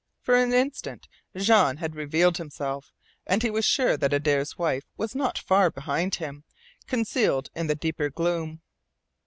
For an instant Jean had revealed himself, and he was sure that Adare's wife was not far behind him, concealed in the deeper gloom.